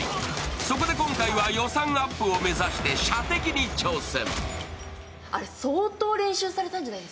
そこで今回は予算アップを目指して射的に挑戦。